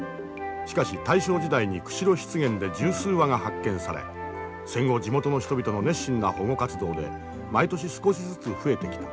しかし大正時代に釧路湿原で十数羽が発見され戦後地元の人々の熱心な保護活動で毎年少しずつ増えてきた。